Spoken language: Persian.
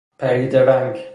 پریده رنگ